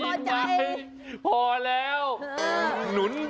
มาครั้งนี้มันจะมากินกินขนุนครับ